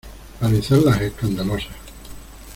para izar las escandalosas.